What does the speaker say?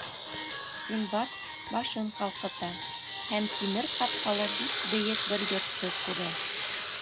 Синдбад башын ҡалҡыта һәм тимер ҡапҡалы бик бейек бер йортто күрә.